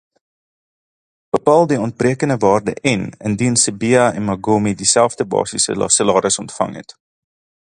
Bepaal die ontbrekende waarde N indien Sibiya en Magome dieselfde basiese salaris ontvang het.